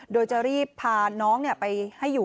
โดยจะรีบพาน้องไปให้อยู่